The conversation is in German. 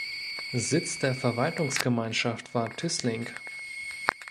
Sitz der Verwaltungsgemeinschaft war Tüßling.